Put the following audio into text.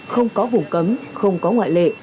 không có vùng cấm không có ngoại lệ